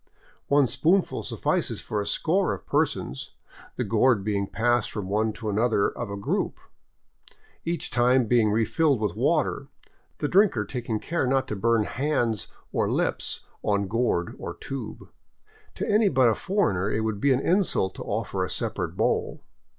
One spoonful suffices for a score of persons, the gourd being passed from one to another of a group, each time being refilled with water, the drinker taking care not to burn hands or lips on gourd or tube. To any but a foreigner it would be an insult to offer a separate bowl.